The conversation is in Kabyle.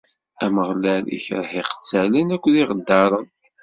Ameɣlal ikreh iqettalen akked yiɣeddaren.